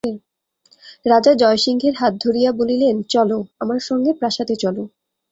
রাজা জয়সিংহের হাত ধরিয়া বলিলেন, চলো, আমার সঙ্গে প্রাসাদে চলো।